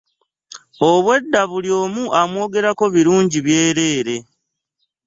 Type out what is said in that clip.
Obwedda buli omu amwogerako birungi byereere.